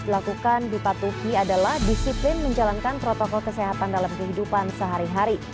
dilakukan dipatuhi adalah disiplin menjalankan protokol kesehatan dalam kehidupan sehari hari